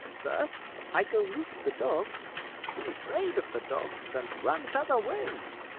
First I go loose the dogs; he 'fraid of the dogs, and run t'other way."